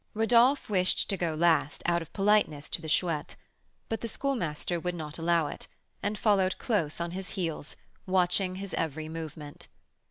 Rodolph wished to go last, out of politeness to the Chouette, but the Schoolmaster would not allow it, and followed close on his heels, watching his every movement.